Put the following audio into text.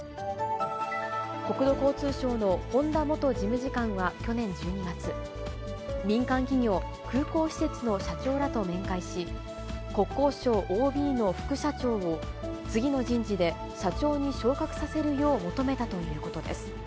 国土交通省の本田元事務次官は去年１２月、民間企業、空港施設の社長らと面会し、国交省ＯＢの副社長を次の人事で社長に昇格させるよう求めたということです。